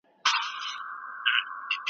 منظم معلومات او پوهاوی هم علم دی.